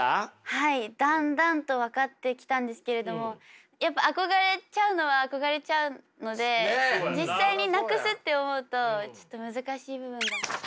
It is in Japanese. はいだんだんと分かってきたんですけれどもやっぱ憧れちゃうのは憧れちゃうので実際になくすって思うとちょっと難しい部分が。